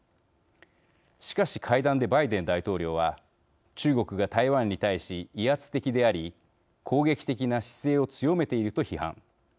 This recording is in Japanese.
しかし、会談でバイデン大統領は中国が台湾に対し、威圧的であり攻撃的な姿勢を強めていると批判。